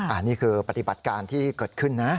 อันนี้คือปฏิบัติการที่เกิดขึ้นนะ